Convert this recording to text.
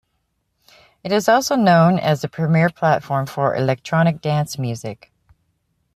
It is also known as the premiere platform for electronic dance music.